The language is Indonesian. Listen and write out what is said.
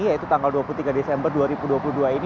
yaitu tanggal dua puluh tiga desember dua ribu dua puluh dua ini